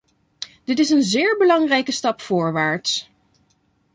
Dit is een zeer belangrijke stap voorwaarts.